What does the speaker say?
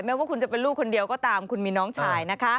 ว่าคุณจะเป็นลูกคนเดียวก็ตามคุณมีน้องชายนะคะ